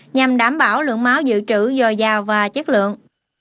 nhằm đảm bảo lượng máu giữ trữ dòi dào và chất lượng